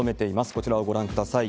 こちらをご覧ください。